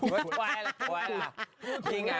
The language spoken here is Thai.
หวยล่ะหวยล่ะ